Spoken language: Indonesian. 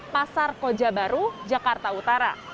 pasar koja baru jakarta utara